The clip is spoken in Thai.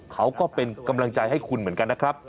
เขาก็เป็นกำลังใจให้คุณเหมือนกันนะครับ